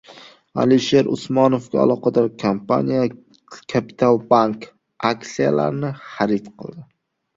Alisher Usmonovga aloqador kompaniya «Kapitalbank» aksiyalarini xarid qildi